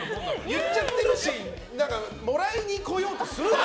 言っちゃってるしもらいにこようとするな！